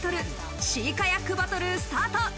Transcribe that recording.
シーカヤックバトルスタート！